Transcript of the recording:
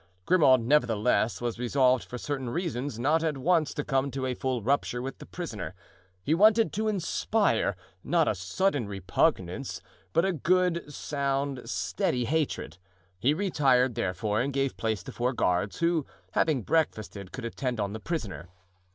Grimaud, nevertheless, was resolved for certain reasons not at once to come to a full rupture with the prisoner; he wanted to inspire, not a sudden repugnance, but a good, sound, steady hatred; he retired, therefore, and gave place to four guards, who, having breakfasted, could attend on the prisoner.